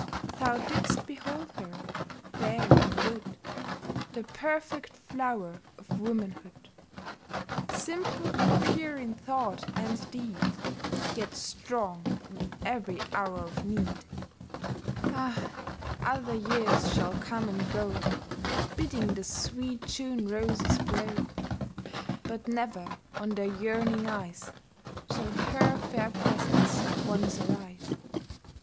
Thou didst behold her, fair and good, The perfect flower of womanhood ; Simple and pure in thought and deed, Yet strong in every hour of need. Ah ! other years shall come and go, Bidding the sweet June roses blow ; But never on their yearning eyes Shall her fair presence once arise